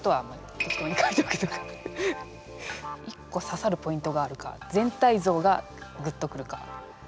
１こささるポイントがあるか全体像がグッと来るか。